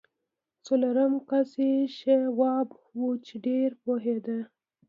څلورم کس یې شواب و چې ډېر پوهېده